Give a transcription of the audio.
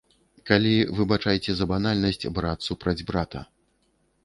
Калі, выбачайце за банальнасць, брат супраць брата.